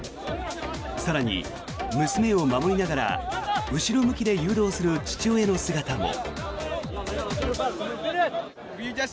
更に、娘を守りながら後ろ向きで誘導する父親の姿も。